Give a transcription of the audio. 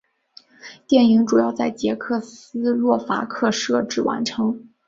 电影主要在捷克斯洛伐克摄制完成。